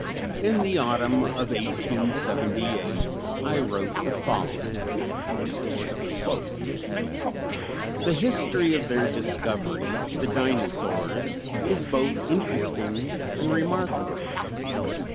In the autumn of 1878 I wrote the following: "The history of their discovery (the dinosaurs) is both interesting and remarkable.